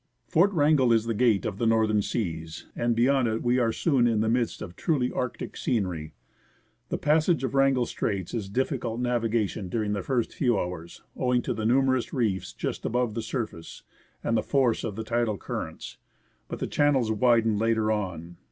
Fort Wrangel is the gate of the northern seas, and beyond it we are soon in the midst of truly Arctic scenery. The passage of 24 FROM SEATTLE TO JUNEAU Wrangel Straits is difficult navigation during the first few hours, owing to the numerous reefs just above the surface and the force of the tidal currents ; but the channels widen later on.